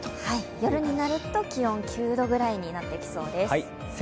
夜になると気温、９度くらいになってきそうです。